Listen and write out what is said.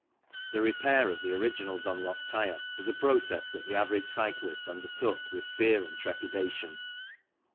The repair of the original Dunlop tyre was a process that the average cyclist undertook with fear and trepida tion.